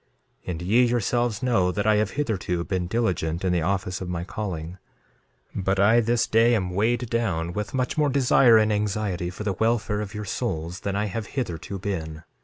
2:3 And ye yourselves know that I have hitherto been diligent in the office of my calling; but I this day am weighed down with much more desire and anxiety for the welfare of your souls than I have hitherto been.